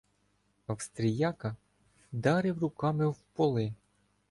"Австріяка" вдарив руками в поли.